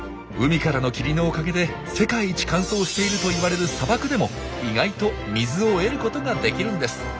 海からの霧のおかげで世界一乾燥しているといわれる砂漠でも意外と水を得ることができるんです。